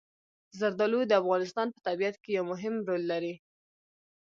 زردالو د افغانستان په طبیعت کې یو مهم رول لري.